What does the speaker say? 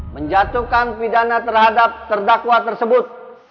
menjatuhkan pidana terhadap terdakwa tersebut